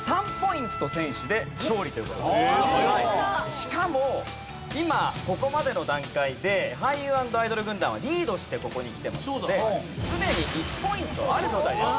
しかも今ここまでの段階で俳優＆アイドル軍団はリードしてここにきてますのですでに１ポイントある状態です。